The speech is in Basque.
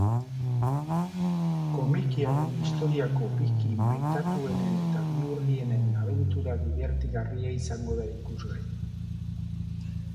Komikiaren historiako biki maitatuenen eta bihurrienen abentura dibertigarria izango da ikusgai.